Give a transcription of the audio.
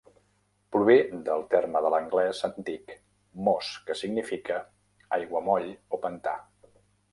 Prové del terme de l'anglès antic "mos", que significa "aiguamoll" o "pantà".